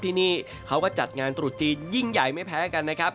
ที่นี่เขาก็จัดงานตรุษจีนยิ่งใหญ่ไม่แพ้กันนะครับ